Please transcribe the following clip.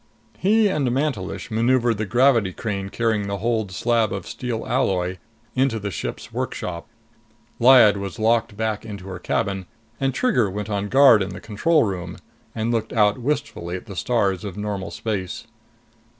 He and Mantelish maneuvered the gravity crane carrying the holed slab of steel alloy into the ship's workshop. Lyad was locked back into her cabin, and Trigger went on guard in the control room and looked out wistfully at the stars of normal space.